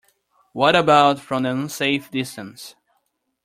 What about from an unsafe distance?